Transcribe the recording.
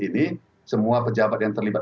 ini semua pejabat yang terlibat